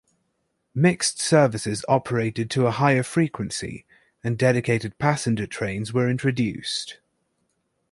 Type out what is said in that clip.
Mixed services operated to a higher frequency, and dedicated passenger trains were introduced.